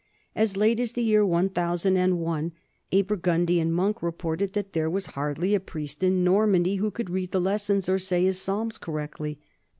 As late as the year 1001 a Burgundian monk reported that there was hardly a priest in Normandy who could read the lessons or say his psalms correctly.